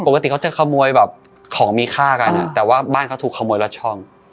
ปกติเขาจะขโมยแบบของมีค่ากันแต่ว่าบ้านเขาถูกขโมยลัดช่อง